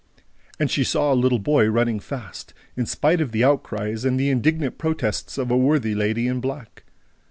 And she saw a little boy running fast, in spite of the outcries and the indignant protests of a worthy lady in black.